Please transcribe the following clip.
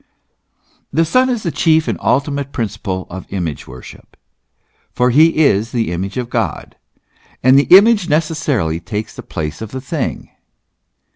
The Son is the chief and ultimate principle of image worship, for he is the image of God; and the image necessarily takes the place of the thing.